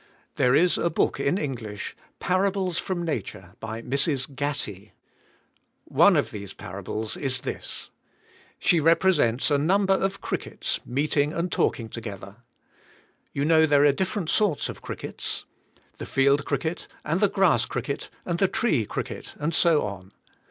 There is a book in Eng lish, "Parables from Nature," by Mrs Gatty. One of these parables is this: She represents a number of crickets meeting and talk ing tog ether. You know there are different sorts of crickets, the field cricket and the g rass cricket and the tree cricket and so on.